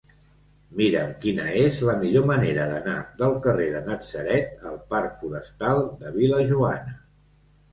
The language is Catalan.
Mira'm quina és la millor manera d'anar del carrer de Natzaret al parc Forestal de Vil·lajoana.